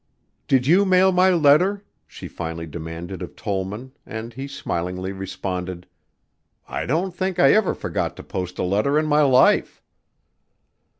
"Did you mail my letter?" she finally demanded of Tollman, and he smilingly responded. "I don't think I ever forgot to post a letter in my life."